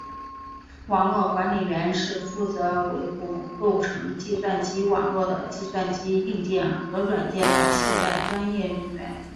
网络管理员是负责维护构成计算机网络的计算机硬件和软件的现代专业人员。